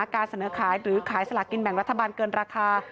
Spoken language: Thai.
การเสนอขายหรือขายสลากินแบ่งรัฐบาลเกินราคา